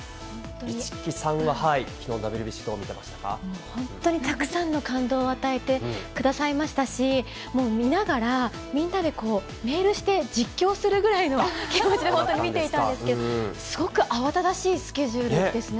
市來さんは、きのう、ＷＢＣ、もう本当にたくさんの感動を与えてくださいましたし、もう見ながら、みんなでメールして、実況するぐらいの気持ちで本当に見ていたんですけど、すごく慌ただしいスケジュールですね。